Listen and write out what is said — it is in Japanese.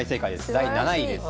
第７位です。